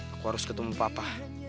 aku harus ketemu papa